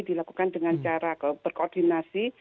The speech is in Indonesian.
dilakukan dengan cara ke koordinasi